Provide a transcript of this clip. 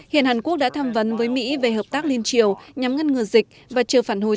hiện hàn quốc đã tham vấn với mỹ về hợp tác liên triều nhằm ngăn ngừa dịch và chờ phản hồi